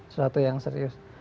suatu yang serius